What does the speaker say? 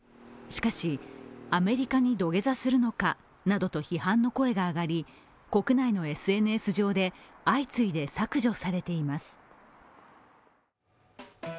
しかし、アメリカに土下座するのかなどと批判の声が上がり国内のＳＮＳ上で相次いで削除されています。